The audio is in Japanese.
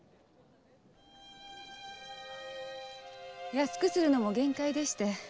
安くするのも限界でして。